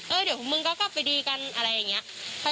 เดี๋ยวมึงก็กลับไปดีกันอะไรอย่างนี้